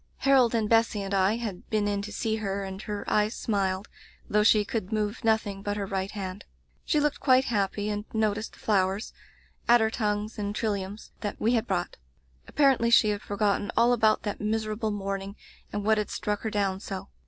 Harold and Bessy and I had been in to see her, and her eyes smiled, though she could move nothing but her right hand. She looked quite happy, and no ticed the flowers — ^adder tongues and tril liums — that we had brought. Apparendy she had forgotten all about that miserable morn ing and what had struck her down so.